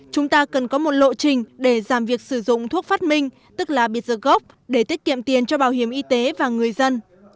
chúng ta cần có một lộ trình để giảm việc sử dụng thuốc phát minh tức là biệt dược gốc để tiết kiệm tiền cho bảo hiểm y tế và người dân